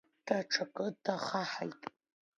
Даҽакы дахаҳаит.